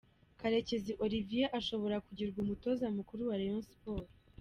Karekezi Olivier ashobora kugirwa umutoza mukuru wa Rayon Sports .